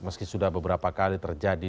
meski sudah beberapa kali terjadi